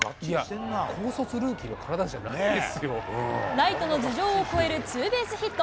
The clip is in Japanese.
ライトの頭上を越えるツーベースヒット。